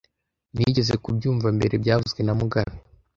Nigeze kubyumva mbere byavuzwe na mugabe